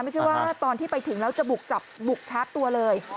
ไม่ใช่ว่าตอนที่ไปถึงแล้วจะบุกจับบุกชาร์จตัวเลย